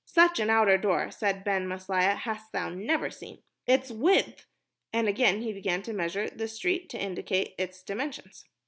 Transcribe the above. "Such an outer door," said Ben Maslia, "hast thou never seen. Its width...." and again he began to measure the street to indicate its dimensions.